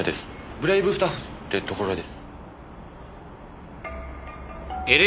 ブレイブスタッフってところで。